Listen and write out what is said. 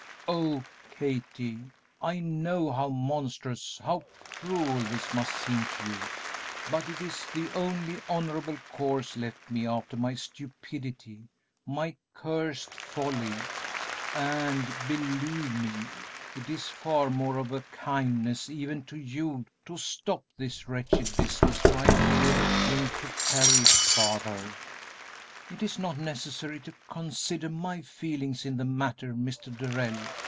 Oh Kathie, I know how monstrous, how cruel this must seem to you, but it is the only honorable course left me after my stupidity, my cursed folly; and, believe me, it is far more of a kindness even to you to stop this wretched business right here than to carry it farther." "It is not necessary to consider my feelings in the matter, Mr. Darrell.